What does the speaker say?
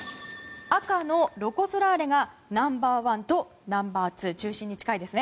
赤のロコ・ソラーレがナンバー１とナンバー２中心に近いですね。